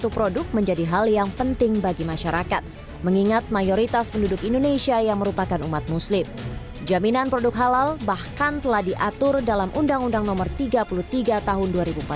jaminan produk halal bahkan telah diatur dalam undang undang no tiga puluh tiga tahun dua ribu empat belas